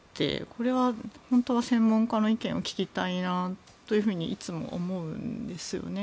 これは本当は専門家の意見を聞きたいなといつも思うんですよね。